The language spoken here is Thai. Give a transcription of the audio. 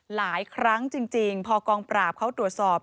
หลายครั้งจริงพอกองปราบเขาตรวจสอบ